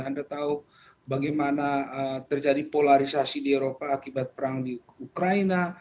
anda tahu bagaimana terjadi polarisasi di eropa akibat perang di ukraina